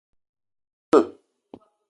O te di ve?